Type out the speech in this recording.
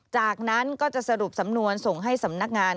จากนั้นก็จะสรุปสำนวนส่งให้สำนักงาน